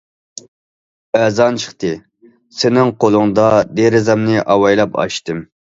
ئەزان چىقتى... سېنىڭ قولۇڭدا دېرىزەمنى ئاۋايلاپ ئاچتىم.